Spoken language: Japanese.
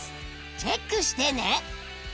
チェックしてね。